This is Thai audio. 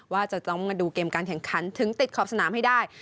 ว่าจะต้องมาดูเกมการแข่งขันถึงติดขอบสนามให้ได้